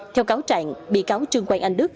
theo cáo trạng bị cáo trương quang anh đức